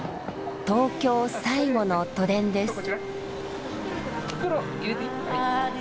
東京最後の都電です。